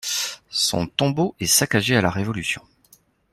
Son tombeau est saccagé à la Révolution.